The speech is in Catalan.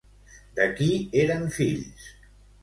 De qui eren fills?